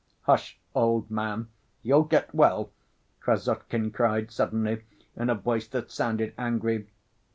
"Hush, old man, you'll get well," Krassotkin cried suddenly, in a voice that sounded angry.